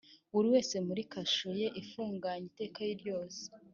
buri wese muri kasho ye ifunganye iteka ryose,